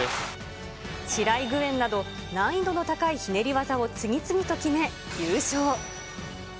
シライ・グエンなど、難易度の高いひねり技を次々と決め、優勝。